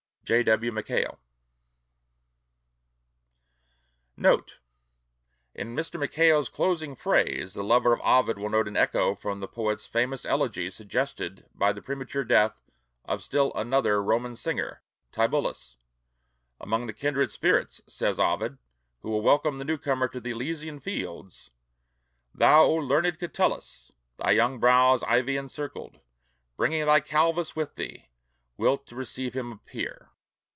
[Signature: J.W. Mackail] NOTE. In Mr. Mackail's closing phrase the lover of Ovid will note an echo from that poet's famous elegy suggested by the premature death of still another Roman singer, Tibullus. Among the kindred spirits says Ovid who will welcome the new comer to the Elysian fields, "Thou, O learned Catullus, thy young brows ivy encircled, Bringing thy Calvus with thee, wilt to receive him appear."